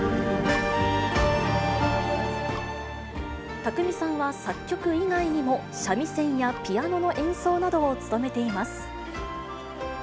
宅見さんは作曲以外にも、三味線やピアノの演奏などを務めています。